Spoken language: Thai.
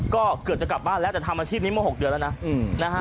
ก็เกือบจะกลับบ้านแล้วแต่ทำอาชีพนี้เมื่อ๖เดือนแล้วนะนะฮะ